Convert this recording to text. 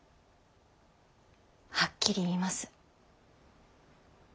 はっきり言います。